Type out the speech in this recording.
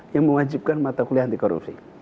yang mewajibkan mata kuliah anti korupsi